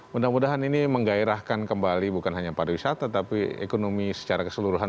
mudah mudahan ini menggairahkan kembali bukan hanya pariwisata tapi ekonomi secara keseluruhan